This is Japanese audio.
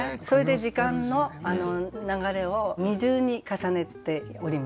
それで時間の流れを二重に重ねております。